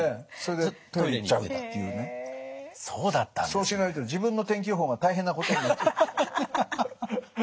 そうしないと自分の天気予報が大変なことになっちゃう。